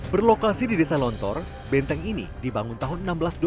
berlokasi di desa lontor benteng ini dibangun tahun seribu enam ratus dua belas